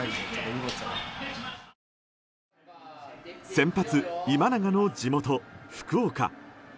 先発、今永の地元・福岡。